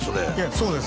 そうです